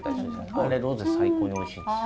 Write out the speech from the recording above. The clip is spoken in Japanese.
あれロゼ最高においしいですよ。